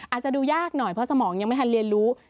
อาจจะดูยากหน่อยเพราะสมองยังไม่ทันเรียนรู้